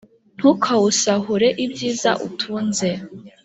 ntukawusahure ibyiza utunze,